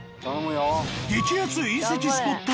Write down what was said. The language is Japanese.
［激熱隕石スポット